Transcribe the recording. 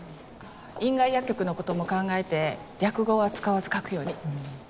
院外薬局のことも考えて略語は使わず書くように。